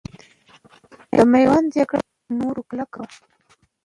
د میوند جګړه تر نورو کلکو وه.